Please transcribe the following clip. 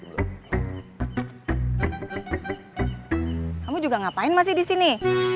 kamu juga ngapain masih di sini